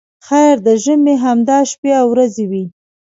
خیر د ژمي همدا شپې او ورځې وې.